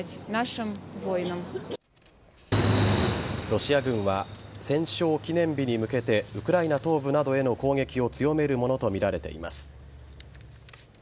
ロシア軍は戦勝記念日に向けてウクライナ東部などへの攻撃を強めるものとみられています。